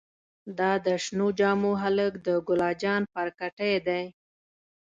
دا د شنو جامو هلک د ګلا جان پارکټې دې.